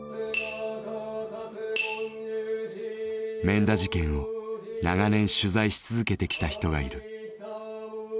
免田事件を長年取材し続けてきた人がいる。